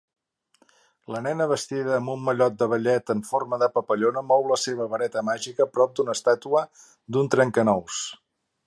La nena vestida amb un mallot de ballet en forma de papallona mou la seva vareta màgica prop d'una estàtua d'un trencanous.